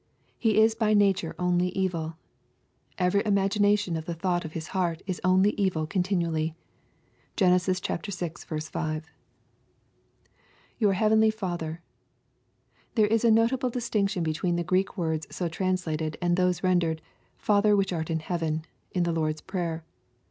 He is by nature onlj evil " Every imagination o^ *He thought of his heart is only evil continually." Gen. vi. t [ Four heavenly Father, j There is a notable distinction between the Greek words so translated and those rendered " Father which art in heaven," in the Lord's prayer.